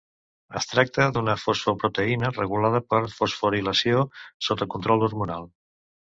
Es tracta d'una fosfoproteïna regulada per fosforilació sota control hormonal.